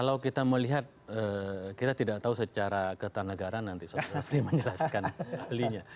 kalau kita melihat kita tidak tahu secara ketatanegaraan nanti sobhavli menjelaskan hal ini